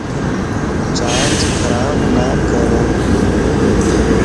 چارجر خراب نڪر